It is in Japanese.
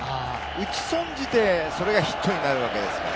打ち損じてそれがヒットになるわけですから。